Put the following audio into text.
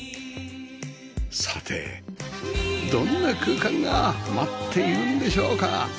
さてどんな空間が待っているんでしょうか？